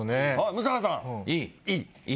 六平さんいいいい！